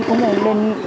cũng là nghỉ luyện